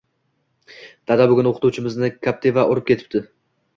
- Dada bugun o'qituvchimizni kaptiva urib ketibdi!